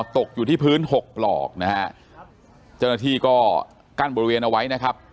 ตกอยู่ที่พื้นหกปลอกนะฮะเจ้าหน้าที่ก็กั้นบริเวณเอาไว้นะครับ